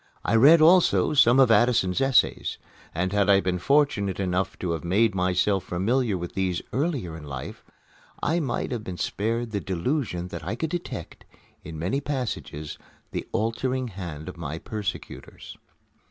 I read also some of Addison's essays; and had I been fortunate enough to have made myself familiar with these earlier in life, I might have been spared the delusion that I could detect, in many passages, the altering hand of my persecutors.